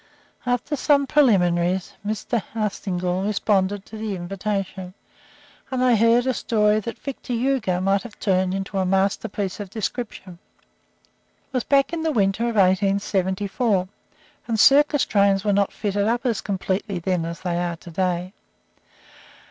After some preliminaries, Mr. Arstingstall responded to the invitation, and I heard a story that Victor Hugo might have turned into a masterpiece of description. It was back in the winter of 1874, and circus trains were not fitted up as completely then as they are to day.